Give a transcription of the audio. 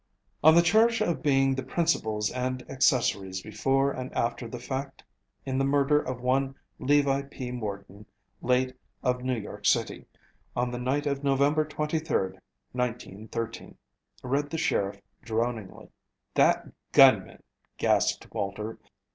"On the charge of being the principals and accessories before and after the fact in the murder of one Levi P. Morton, late of New York City, on the night of November 23d, 1913," read the sheriff droningly. "That gunman!" gasped Walter.